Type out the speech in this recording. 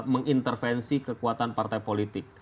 mengintervensi kekuatan partai politik